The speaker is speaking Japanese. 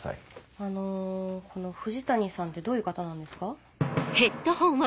あのこの藤谷さんってどういう方なんですか？